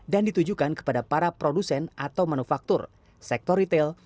dan ditujukan kepada para produsen atau manufaktur sektor retail